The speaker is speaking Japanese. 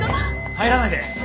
入らないで！